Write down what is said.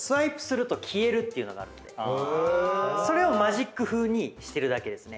それをマジック風にしてるだけですね。